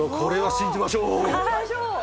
信じましょう。